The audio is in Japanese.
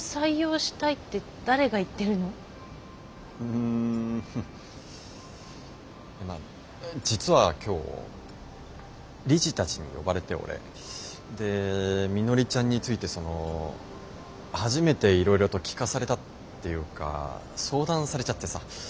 んまあ実は今日理事たちに呼ばれて俺。でみのりちゃんについてその初めていろいろと聞かされたっていうか相談されちゃってさ。